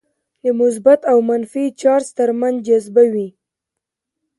د مثبت او منفي چارج ترمنځ جذبه وي.